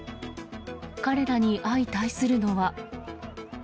彼らに相対するのは。